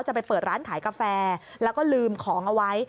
จะไปเปิดร้านขายกาแฟแล้วก็ลืมของเอาไว้